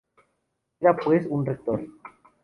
Era pues un rector.